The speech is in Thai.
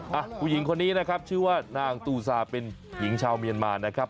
ผู้หญิงคนนี้นะครับชื่อว่านางตูซาเป็นหญิงชาวเมียนมานะครับ